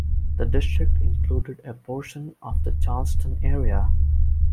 The district included a portion of the Charleston area.